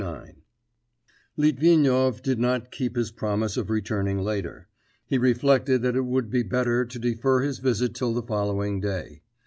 IX Litvinov did not keep his promise of returning later; he reflected that it would be better to defer his visit till the following day.